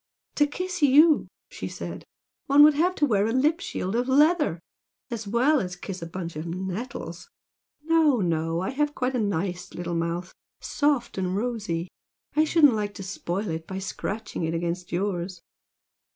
"To kiss YOU," she said, "one would have to wear a lip shield of leather! As well kiss a bunch of nettles! No, no! I have quite a nice little mouth soft and rosy! I shouldn't like to spoil it by scratching it against yours!